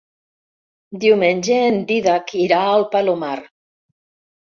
Diumenge en Dídac irà al Palomar.